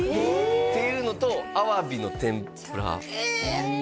っていうのとアワビの天ぷらええっ！